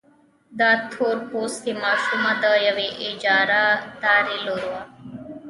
دا تور پوستې ماشومه د يوې اجارهدارې لور وه.